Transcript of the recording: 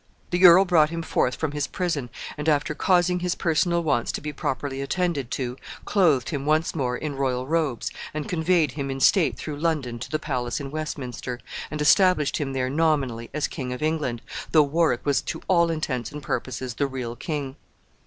The earl brought him forth from his prison, and, after causing his personal wants to be properly attended to, clothed him once more in royal robes, and conveyed him in state through London to the palace in Westminster, and established him there nominally as King of England, though Warwick was to all intents and purposes the real king.